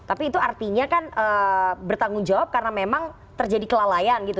tapi itu artinya kan bertanggung jawab karena memang terjadi kelalaian gitu